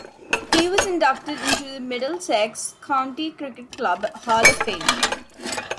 He was inducted into the Middlesex County Cricket Club Hall of Fame.